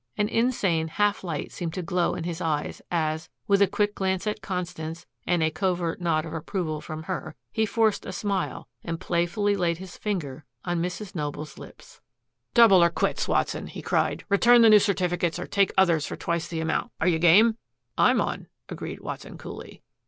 An insane half light seemed to glow in his eyes as, with a quick glance at Constance and a covert nod of approval from her, he forced a smile and playfully laid his finger on Mrs. Noble's lips. "Double or quits, Watson," he cried. "Return the new certificates or take others for twice the amount. Are you game?" "I'm on," agreed Watson coolly.